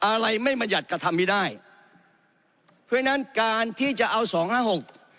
อะไรไม่บรรยัติก็ทำไม่ได้เพราะฉะนั้นการที่จะเอาสองห้าหก